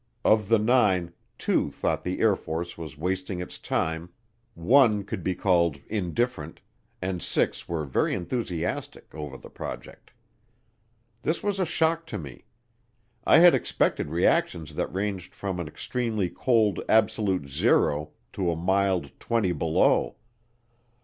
Of the nine, two thought the Air Force was wasting its time, one could be called indifferent, and six were very enthusiastic over the project. This was a shock to me. I had expected reactions that ranged from an extremely cold absolute zero to a mild twenty below.